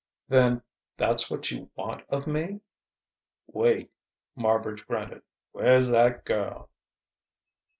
"Then that's what you want of me?" "Wait," Marbridge grunted. "Where's that girl?"